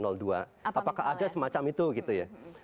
apakah ada semacam itu gitu ya